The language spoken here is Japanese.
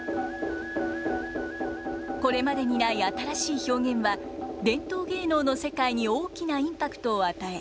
これまでにない新しい表現は伝統芸能の世界に大きなインパクトを与え